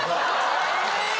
え！